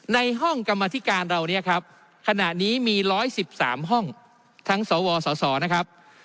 ในห้องกรรมธิการเราเนี่ยครับขณะนี้มี๑๑๓ห้องทั้งสวสสนะครับ